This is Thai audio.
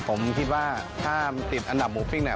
ผมคิดว่าถ้าติดอันดับหมูปิ้งเนี่ย